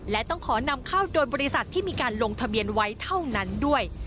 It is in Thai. และต้องขอนำเข้าโดยบริษัทที่มีการลงทะเบียนไว้เท่านั้นด้วย